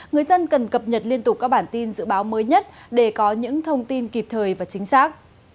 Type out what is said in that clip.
người dân cần cập nhật liên tục các bản tin dự báo mới nhất để có những thông tin kịp thời và chính xác